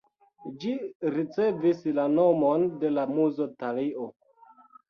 Ĝi ricevis la nomon de la muzo Talio.